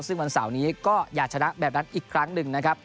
ซึ่งวันเสาร์นี้ก็อยากชนะแบบนั้นอีกครั้งหนึ่งนะครับ